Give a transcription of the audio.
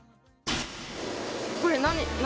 これ何？